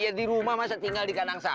ya di rumah masa tinggal di kanang sapi neng